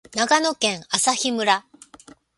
長野県朝日村